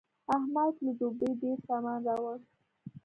احمد له دوبۍ ډېر سامان راوړ.